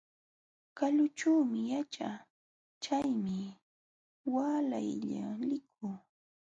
Kalućhuumi yaćhaa, chaymi waalaylla likuu.